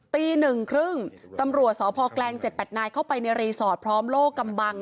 ตีหนึ่งครึ่งตำรวจสกแกล้ง๗๘๙เข้าไปในรีสอร์ตพร้อมโลกกำบัง